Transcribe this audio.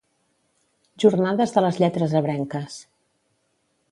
Jornades de les Lletres Ebrenques.